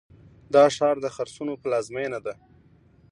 دا ښار د خرسونو پلازمینه ده.